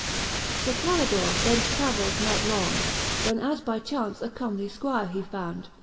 XI. Sir Calidore thence travelled not long, When as by chauncea comely Squire he found.